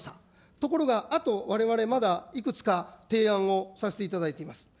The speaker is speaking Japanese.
ところがあと、われわれまだいくつか提案をさせていただいています。